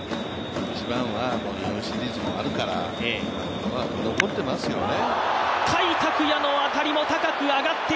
一番は日本シリーズもあるから、残っていますよね。